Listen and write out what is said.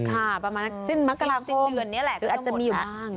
ค่ะประมาณสิ้นมักกระโค้งอาจจะมีอยู่มาก